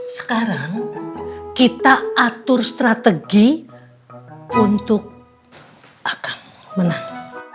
sekarang kita atur strategi untuk akan menang